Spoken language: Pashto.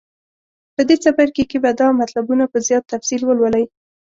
په دې څپرکي کې به دا مطلبونه په زیات تفصیل ولولئ.